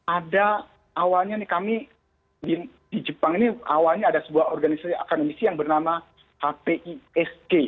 ada awalnya nih kami di jepang ini awalnya ada sebuah organisasi akademisi yang bernama htisg